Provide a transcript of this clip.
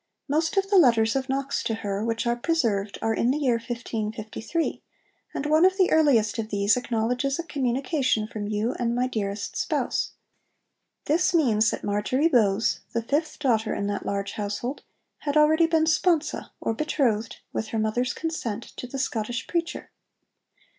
Most of the letters of Knox to her which are preserved are in the year 1553, and one of the earliest of these acknowledges a communication 'from you and my dearest spouse.' This means that Marjory Bowes, the fifth daughter in that large household, had already been sponsa or betrothed, with her mother's consent, to the Scottish preacher.